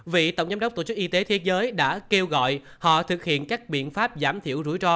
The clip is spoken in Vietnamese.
vị tổng giám đốc tổ chức y tế thế giới đã kêu gọi họ thực hiện các biện pháp giảm thiểu rủi ro